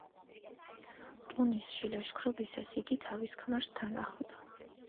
ტუნისში ლაშქრობისას იგი თავის ქმარს თან ახლდა.